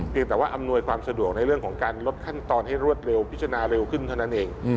แต่ว่าอำนวยความสะดวกในเรื่องของการลดขั้นตอนให้รวดเร็วพิจารณาเร็วขึ้นเท่านั้นเอง